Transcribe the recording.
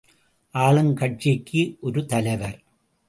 ஆளுங்கட்சிக்கு ஒரு தலைவர்.